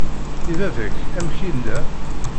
I baba-k, amek yella?